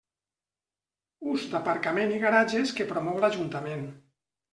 Ús d'aparcament i garatges que promou l'Ajuntament.